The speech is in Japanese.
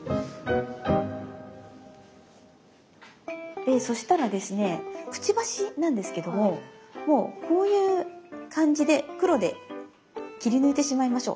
でそしたらですねくちばしなんですけどももうこういう感じで黒で切り抜いてしまいましょう。